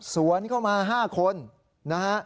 สวนเข้ามา๕คนนะฮะ